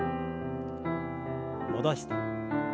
戻して。